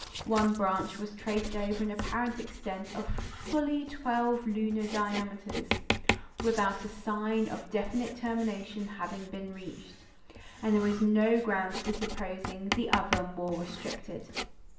One branch was traced over an apparent extent of fully twelve lunar diameters, without sign of a definite termination having been reached; and there were no grounds for supposing the other more restricted.